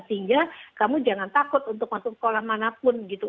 sehingga kamu jangan takut untuk masuk sekolah manapun gitu